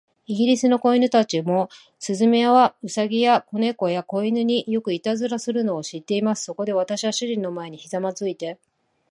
イギリスの子供たちも、雀や、兎や、小猫や、小犬に、よくいたずらをするのを知っています。そこで、私は主人の前にひざまずいて